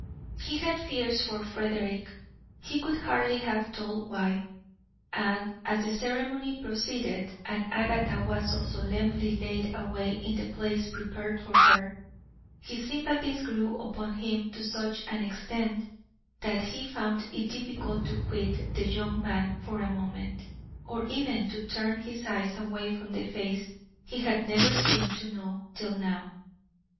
He had fears for Frederick he could hardly have told why; and as the ceremony proceeded and Agatha was solemnly laid away in the place prepared for her, his sympathies grew upon him to such an extent that he found it difficult to quit the young man for a moment, or even to turn his eyes away from the face he had never seemed to know till now.